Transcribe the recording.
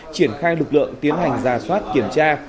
triển khai lực lượng tiến hành giả soát kiểm tra